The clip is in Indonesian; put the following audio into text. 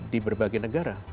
di berbagai negara